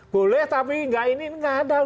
boleh tapi nggak ini nggak ada